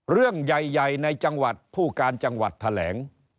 เรื่องใหญ่ในจังหวัดผู้การจังหวัดแถลง